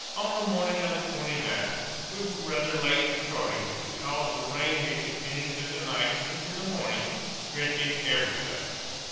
On the morning of the 29th we were rather late in starting, because the rain had continued through the night into the morning, drenching everything.